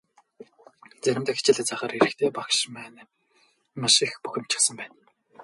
Заримдаа хичээлээ заахаар ирэхдээ багш маань маш их бухимдчихсан байна.